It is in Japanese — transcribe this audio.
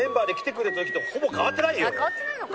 変わってないのか。